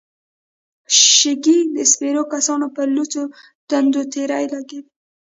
شګې د سپرو کسانو پر لوڅو ټنډو تېرې لګېدې.